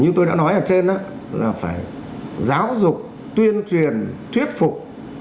như tôi đã nói ở trên là phải giáo dục tuyên truyền thuyết phục